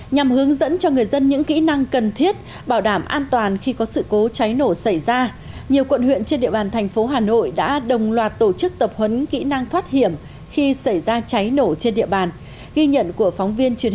nhằm hướng dẫn cho người dân những kỹ năng cần thiết bảo đảm an toàn khi có sự cố cháy nổ xảy ra nhiều quận huyện trên địa bàn thành phố hà nội đã đồng loạt tổ chức tập huấn kỹ năng thoát hiểm khi xảy ra cháy nổ trên địa bàn